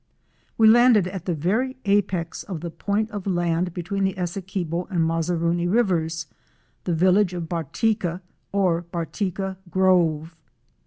We landed at the very apex of the point of land between the Essequibo and Mazaruni rivers, — the village of Bartica or Bartica Grove.